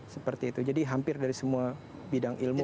seperti itu jadi hampir dari semua bidang ilmu